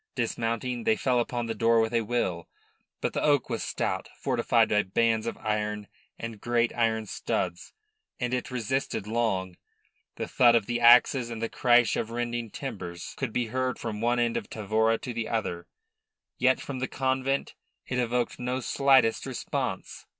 Dismounting, they fell upon the door with a will. But the oak was stout, fortified by bands of iron and great iron studs; and it resisted long. The thud of the axes and the crash of rending timbers could be heard from one end of Tavora to the other, yet from the convent it evoked no slightest response.